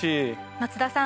松田さん